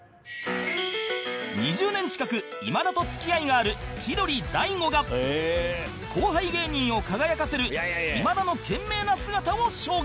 ２０年近く今田と付き合いがある千鳥大悟が後輩芸人を輝かせる今田の懸命な姿を証言